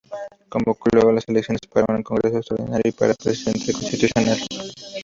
Convocó luego a elecciones para un Congreso Extraordinario y para Presidente Constitucional.